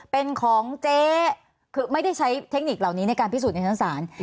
เป็นของเจ๊คือไม่ได้ใช้เทคนิคเหล่านี้ในการพิสูจนในชั้นศาล